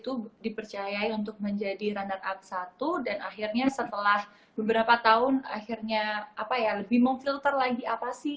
itu dipercayai untuk menjadi runner up satu dan akhirnya setelah beberapa tahun akhirnya lebih memfilter lagi apa sih